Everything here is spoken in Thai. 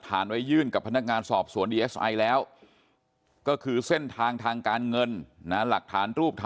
ถ้าเห็นใจพี่นะ